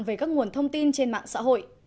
về các nguồn thông tin trên mạng xã hội